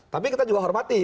tapi kita juga hormati